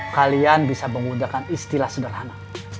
kalian bisa menggunakan istilah sederhana